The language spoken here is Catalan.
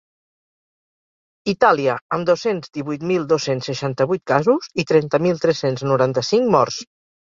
Itàlia, amb dos-cents divuit mil dos-cents seixanta-vuit casos i trenta mil tres-cents noranta-cinc morts.